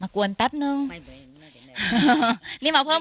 มากวนแปดนึง